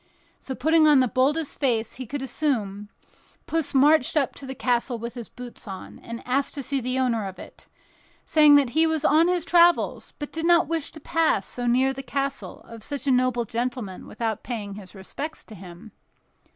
So, putting on the boldest face he could assume, Puss marched up to the castle with his boots on, and asked to see the owner of it, saying that he was on his travels, but did not wish to pass so near the castle of such a noble gentleman without paying his respects to him.